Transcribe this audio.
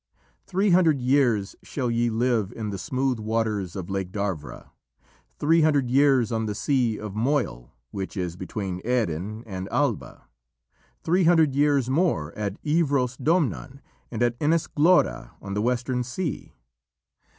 Three hundred years shall ye live in the smooth waters of Lake Darvra; three hundred years on the Sea of Moyle, which is between Erin and Alba; three hundred years more at Ivros Domnann and at Inis Glora, on the Western Sea.